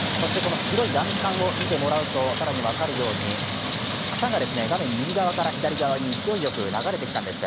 白い欄干を見てもらうと更に分かるように草が画面右側から左側に勢いよく流れてきたんです。